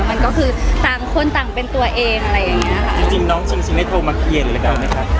มันก็คือต่างคนต่างเป็นตัวเองอะไรอย่างเงี้ยค่ะจริงจริงน้องชิงซิงได้โทรมาเคลียร์อะไรกันไหมคะ